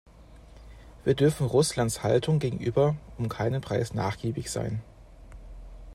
Wir dürfen Russlands Haltung gegenüber um keinen Preis nachgiebig sein.